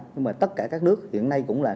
nhưng mà tất cả các nước hiện nay cũng là